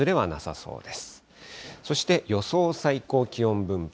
そして、予想最高気温分布。